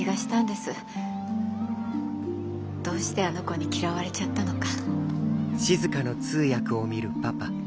どうしてあの子に嫌われちゃったのか。